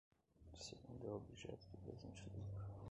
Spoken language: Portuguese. O segundo é o objeto do presente livro.